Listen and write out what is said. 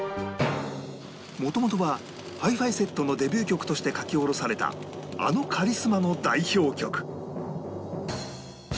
元々はハイ・ファイ・セットのデビュー曲として書き下ろされたあのカリスマの代表曲